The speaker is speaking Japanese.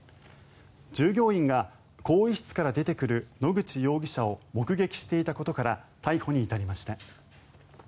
従業員が更衣室から出てくる野口容疑者を目撃していたことから逮捕に至りました。